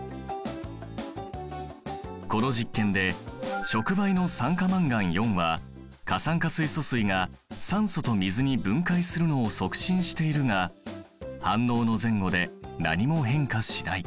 この実験で触媒の酸化マンガンは過酸化水素水が酸素と水に分解するのを促進しているが反応の前後で何も変化しない。